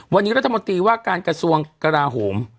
วันนี้รัฐมนตรีว่าการกระทรวงกราโหม